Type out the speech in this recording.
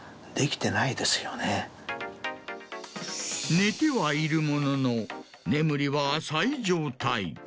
寝てはいるものの眠りは浅い状態。